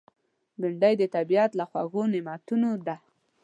بېنډۍ د طبیعت له خوږو نعمتونو ده